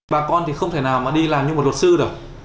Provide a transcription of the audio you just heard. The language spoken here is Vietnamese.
bà con thì không thể nào mà đi làm như một luật sư đâu